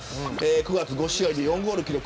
９月、５試合で４ゴールを記録。